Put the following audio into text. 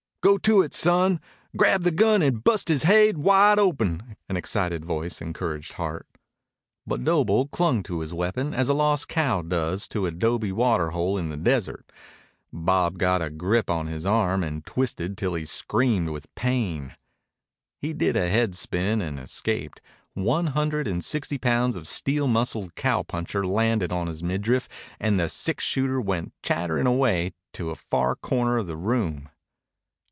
"Go to it, son! Grab the gun and bust his haid wide open!" an excited voice encouraged Hart. But Doble clung to his weapon as a lost cow does to a 'dobe water hole in the desert. Bob got a grip on his arm and twisted till he screamed with pain. He did a head spin and escaped. One hundred and sixty pounds of steel muscled cowpuncher landed on his midriff and the six shooter went clattering away to a far corner of the room.